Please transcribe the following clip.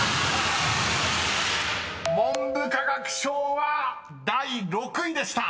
［「文部科学省」は第６位でした！］